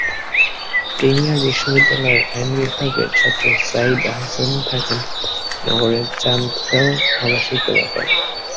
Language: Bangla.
প্রিমিয়ার বিশ্ববিদ্যালয়ের আইন বিভাগের ছাত্র সাঈদ আহসান থাকেন নগরের চান্দগাঁও আবাসিক এলাকায়।